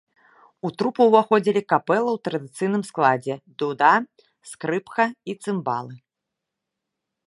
У трупу ўваходзілі капэла ў традыцыйным складзе дуда, скрыпка і цымбалы.